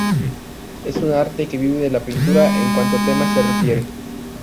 Es un arte que vive de la pintura en cuanto a temas se refiere.